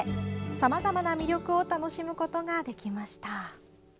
さまざまな魅力を楽しむことができました。